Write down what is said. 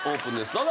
どうぞ。